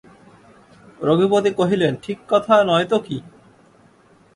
রঘুপতি কহিলেন, ঠিক কথা নয় তো কী?